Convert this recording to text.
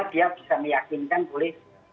dia bisa meyakinkan oleh